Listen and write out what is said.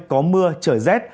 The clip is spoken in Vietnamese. có mưa trời rét